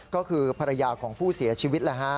ก็คือภรรยาของผู้เสียชีวิต